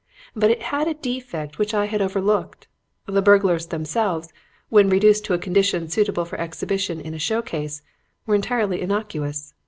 But it had a defect which I had overlooked. The burglars themselves, when reduced to a condition suitable for exhibition in a show case, were entirely innocuous.